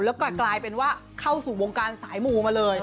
แล้วก็กลายเป็นว่าเข้าสู่วงการสายมูมาเลย